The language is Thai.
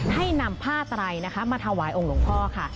ให้นำผ้าไตรนะคะมาถวายองค์หลวงพ่อค่ะ